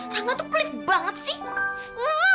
karena tuh pelit banget sih